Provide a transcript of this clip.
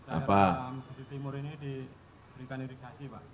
daerah mesir timur ini diberikan irigasi pak